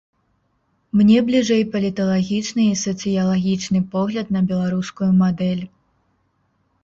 Мне бліжэй паліталагічны і сацыялагічны погляд на беларускую мадэль.